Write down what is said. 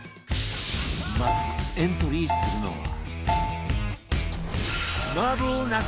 まずエントリーするのは